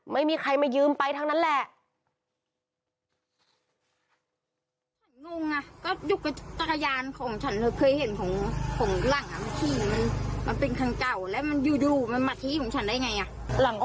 ไม่มีใครมายืมไปทั้งนั้นแหละ